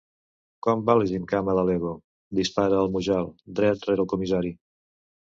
Com va la gimcana de L'Ego? —dispara el Mujal, dret rere el comissari.